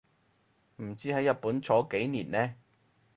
唔知喺日本坐幾年呢